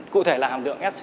cụ thể là hàm lượng s ba